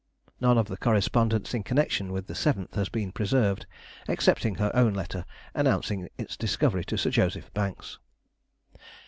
None of the correspondence in connection with the seventh has been preserved, excepting her own letter announcing its discovery to Sir J. Banks.